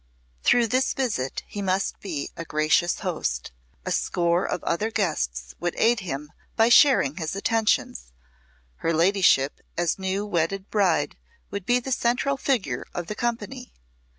Through this visit he must be a gracious host; a score of other guests would aid him by sharing his attentions; her ladyship, as new wedded bride, would be the central figure of the company.